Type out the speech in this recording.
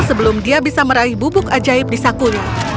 sebelum dia bisa meraih bubuk ajaib di sakunya